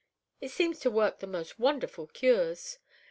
It seems to work the most wonderful cures.